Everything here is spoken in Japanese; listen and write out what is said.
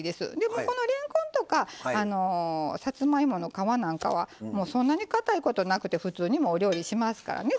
もうこのれんこんとかさつまいもの皮なんかはそんなにかたいことなくて普通にお料理しますからね。